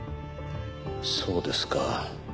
そうですか。